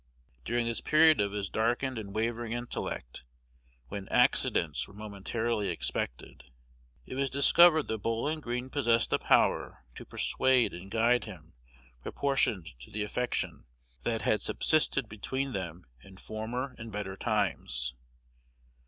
During this period of his darkened and wavering intellect, when "accidents" were momentarily expected, it was discovered that Bowlin Greene possessed a power to persuade and guide him proportioned to the affection that had subsisted between them in former and better times.